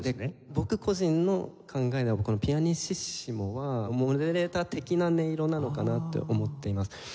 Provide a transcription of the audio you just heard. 僕個人の考えではこのピアニッシッシモはモデレーター的な音色なのかなと思っています。